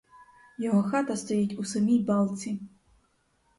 Його хата стоїть у самій балці.